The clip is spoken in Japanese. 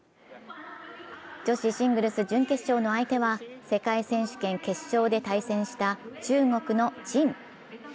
女子シングルス準決勝の相手は、世界選手権決勝で対戦した中国の陳。